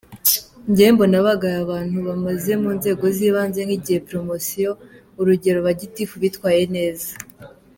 ngewe mbona bagahaye abantu bamaze munzego zibanze kgihe promotion ,urugero ba gitif bitwaye neza.